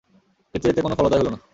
কিন্তু এতে কোন ফলোদয় হল না।